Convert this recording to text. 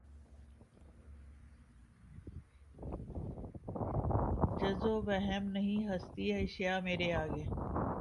جز وہم نہیں ہستیٔ اشیا مرے آگے